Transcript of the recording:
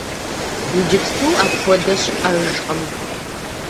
Иджыпсту апхуэдэ щыӀэжкъым.